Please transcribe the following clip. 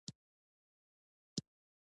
وسله د وجدان بېحسي ده